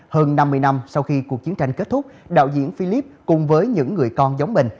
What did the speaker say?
hơn năm mươi năm sau khi cuộc chiến tranh kết thúc đạo diễn philip cùng với những người con giống mình